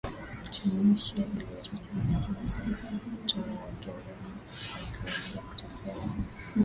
tunisia yaliyotokea tunisia kunawezekano yakaweza kutokea se